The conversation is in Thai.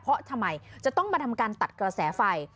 เพราะทำไมจะต้องมาทำการตัดกระแสไฟ